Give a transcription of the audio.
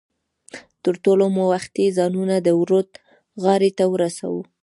تر ټولو مو وختي ځانونه د ورد غاړې ته ورسو.